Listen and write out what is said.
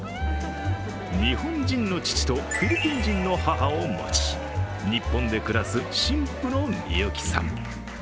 日本人の父とフィリピン人の母を持ち日本で暮らす新婦のみゆきさん。